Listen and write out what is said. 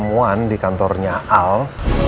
kemuan di kantornya al